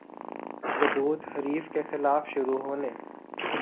ضبوط حریف کے خلاف شروع ہونے